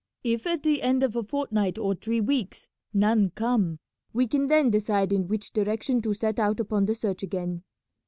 If at the end of a fortnight or three weeks none come we can then decide in which direction to set out upon the search again."